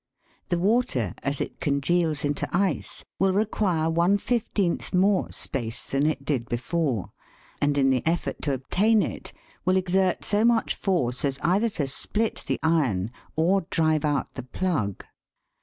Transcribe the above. The water, as it congeals into ice, will require one fifteenth more space than it did before, and in the effort to obtain it will exert so much, force as either to split the iron or drive out the plug.